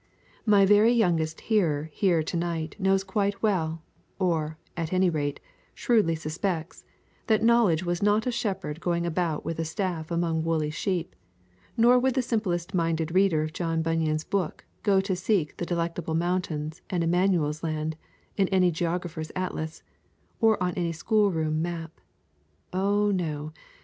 My very youngest hearer here to night knows quite well, or, at any rate, shrewdly suspects, that Knowledge was not a shepherd going about with his staff among woolly sheep; nor would the simplest minded reader of John Bunyan's book go to seek the Delectable Mountains and Immanuel's Land in any geographer's atlas, or on any schoolroom map. Oh, no.